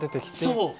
そう。